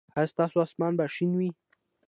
ایا ستاسو اسمان به شین وي؟